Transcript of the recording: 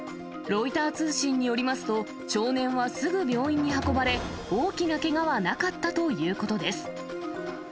ロイター通信によりますと、少年はすぐ病院に運ばれ、大きなけがはなかったということです。